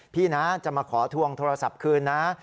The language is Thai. พี่นะจะมาขอทวงโทรศัพท์คืนนะ